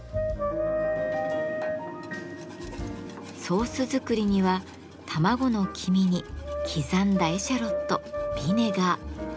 ソース作りには卵の黄身に刻んだエシャロットビネガー。